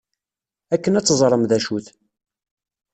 Akken ad teẓrem d acu-t.